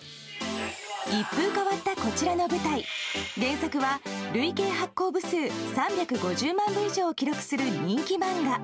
一風変わったこちらの舞台原作は累計発行部数３５０万部以上を記録する人気漫画。